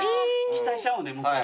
期待しちゃうもんね向こうも。